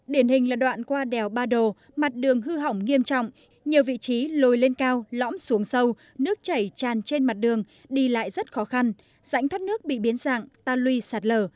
điển hình là đoạn qua đèo ba đồ mặt đường hư hỏng nghiêm trọng nhiều vị trí lồi lên cao lõm xuống sâu nước chảy tràn trên mặt đường đi lại rất khó khăn dãnh thoát nước bị biến sạng ta lui sạt lở